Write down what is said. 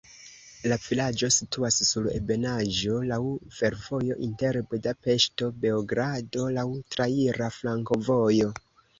La vilaĝo situas sur ebenaĵo, laŭ fervojo inter Budapeŝto-Beogrado, laŭ traira flankovojo.